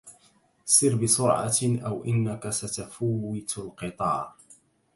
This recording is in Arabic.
سر بسرعة، أو إنّك ستفوّت القطار.